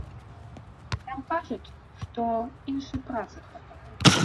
Там кажуць, што іншай працы хапае.